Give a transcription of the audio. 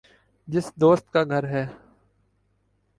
جس دوست کا گھر ہے